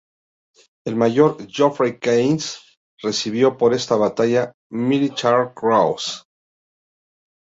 El Mayor Geoffrey Kayes recibió por esta batalla la "Military Cross".